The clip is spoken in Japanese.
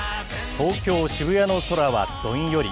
東京・渋谷の空はどんより。